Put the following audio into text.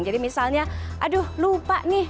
jadi misalnya aduh lupa nih